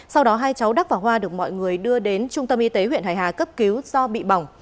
sau đó hai cháu đắc và hoa được mọi người đưa đến trung tâm y tế huyện hải hà cấp cứu do bị bỏng